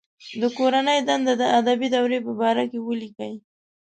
د کورنۍ دنده د ادبي دورې په باره کې ولیکئ.